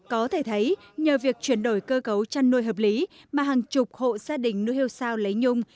có thể thấy nhờ việc chuyển đổi cơ cấu chăn nuôi hợp lý mà hàng chục hộ gia đình nuôi hiêu sao lấy nhung